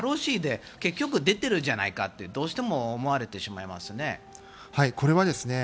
ＲＯＣで結局出てるじゃないかってどうしても思われてしまいますね。